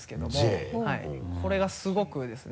これがすごくですね